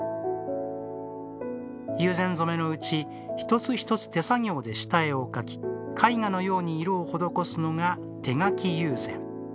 友禅染のうち一つ一つ手作業で下絵を描き絵画のように色を施すのが手描き友禅。